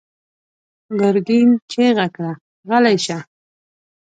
ګرګين چيغه کړه: غلی شه!